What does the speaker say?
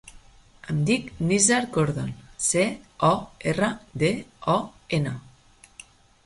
Em dic Nizar Cordon: ce, o, erra, de, o, ena.